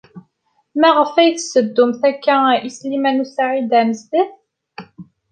Maɣef ay as-tetteddumt akka i Sliman u Saɛid Amezdat?